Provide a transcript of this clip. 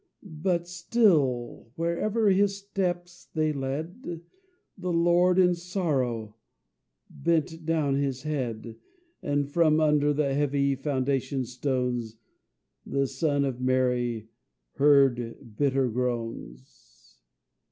But still, wherever his steps they led, The Lord in sorrow bent down his head, And from under the heavy foundation stones, The son of Mary heard bitter groans.